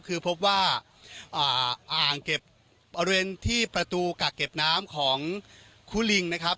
คือพบว่าอ่างเก็บบริเวณที่ประตูกักเก็บน้ำของคู่ลิงนะครับ